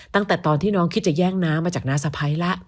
ตั้งแต่ตอนที่น้องคิดจะแย่งน้ามาจากน้าสะพ้ายแล้ว